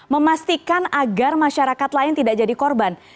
memastikan agar masyarakat lain tidak jadi korban